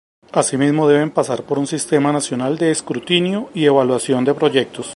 Asimismo, deben pasar por un sistema nacional de escrutinio y evaluación de proyectos.